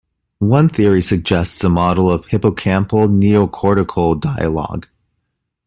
One theory suggests a model of Hippocampal-neocortical dialogue.